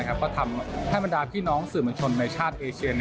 ก็ทำให้บรรดาพี่น้องสื่อมวลชนในชาติเอเชีย